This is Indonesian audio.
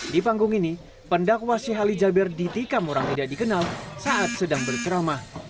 di panggung ini pendakwas syihali jabir ditikam orang tidak dikenal saat sedang berceramah